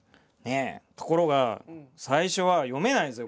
ところが最初は読めないんですよ